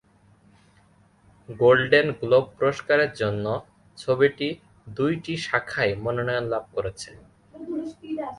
Golden Globe পুরস্কারের জন্য ছবিটি দুইটি শাখায় মনোনয়ন লাভ করে।